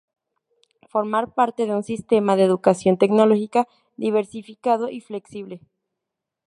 Formar parte de un sistema de educación tecnológica diversificado y flexible.